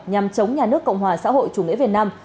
nhằm chống nhà nước cộng hòa xã hội chủ nghĩa việt nam